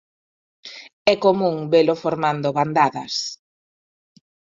É común velo formando bandadas.